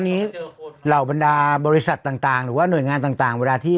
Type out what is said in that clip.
วันนี้เหล่าบรรดาบริษัทต่างหรือว่าหน่วยงานต่างเวลาที่